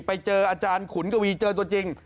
ไปเจออาจารย์ขุนกวีเจอตัวจริง